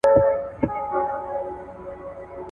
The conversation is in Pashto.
که زغم ونه لرئ نو د څېړني کار به په نیمایي کي پرېږدئ.